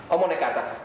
om mau naik ke atas